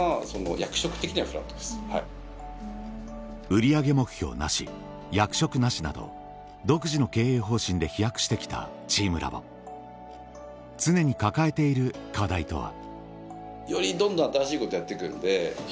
売り上げ目標なし役職なしなど独自の経営方針で飛躍して来たチームラボ常に抱えている課題とは？